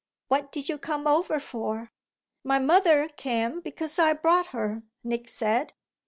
What did you come over for?" "My mother came because I brought her," Nick said.